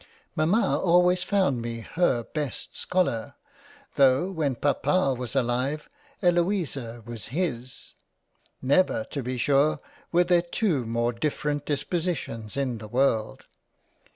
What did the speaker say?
Mama always found me her best scholar, tho' when Papa was alive Eloisa was his. Never to be sure were there two more different Dispositions in the World.